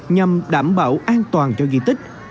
nhằm đảm bảo an toàn cho di tích